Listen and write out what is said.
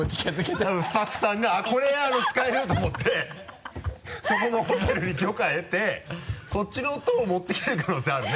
多分スタッフさんが「これ使える」と思ってそこのホテルに許可得てそっちの音を持ってきてる可能性あるね。